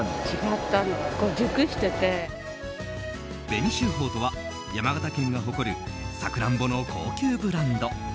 紅秀峰とは山形県が誇るサクランボの高級ブランド。